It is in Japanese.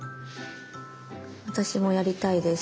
私もやりたいです。